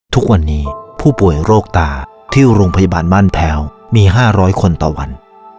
ทุกวันนี้ผู้ป่วยโรคตาที่โรงพยาบาลบ้านแพ้วมี๕๐๐คนต่อวัน